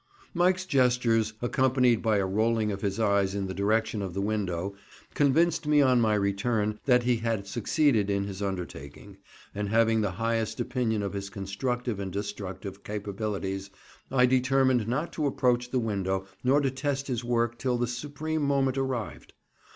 Mike's gestures, accompanied by a rolling of his eyes in the direction of the window, convinced me on my return that he had succeeded in his undertaking, and having the highest opinion of his constructive and destructive capabilities, I determined not to approach the window nor to test his work till the supreme moment arrived.